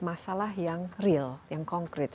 masalah yang real yang konkret